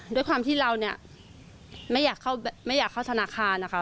ด้วยความที่เราเนี่ยไม่อยากเข้าธนาคารนะคะ